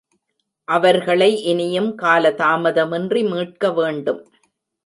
அவர்களை இனியும் காலதாமதமின்றி மீட்கவேண்டும்.